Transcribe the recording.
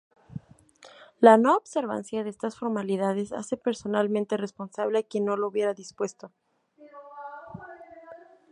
La no observancia de estas formalidades hace personalmente responsable a quienes lo hubieren dispuesto.